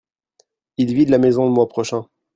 Ils vident la maison le mois prochain.